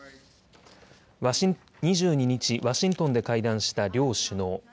２２日、ワシントンで会談した両首脳。